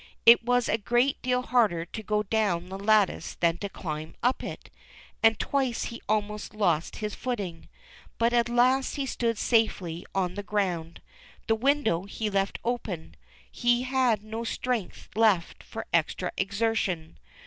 It was a great deal harder to go down the lattice than to climb up it, and twice he almost lost his footing. But at last he stood safely on the ground. The window he left open ; he had no strength left for extra exertion.